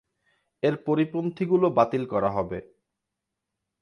এর পরিপন্থী গুলো বাতিল করা হবে।